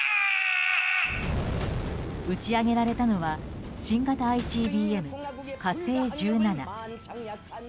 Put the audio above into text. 打ち上げられたのは新型ＩＣＢＭ「火星１７」。